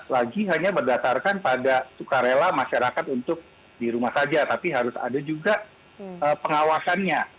lagi hanya berdasarkan pada sukarela masyarakat untuk di rumah saja tapi harus ada juga pengawasannya